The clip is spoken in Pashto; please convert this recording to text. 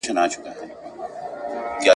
که نن هرڅه بې آزاره در ښکاریږي !.